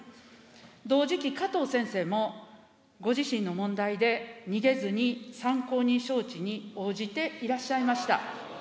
同時期、加藤先生もご自身の問題で、逃げずに、参考人招致に応じていらっしゃいました。